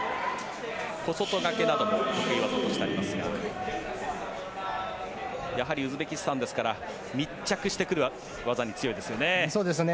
小外刈りなども得意技としてありますがやはりウズベキスタンですから密着してくる技に強いですね。